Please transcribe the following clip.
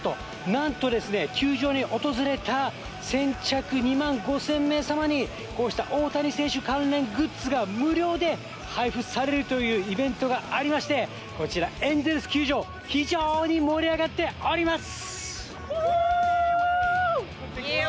なんとですね、球場に訪れた先着２万５０００名様に、こうした大谷選手関連グッズが無料で配布されるというイベントがありまして、こちらエンゼルス球場、非常に盛り上がっております。